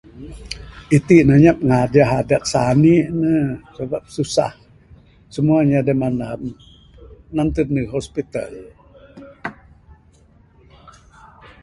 Itin ne anyap ne ngajah adat sani ne sabab susah. Simua inya da mandam nganted neg hospital.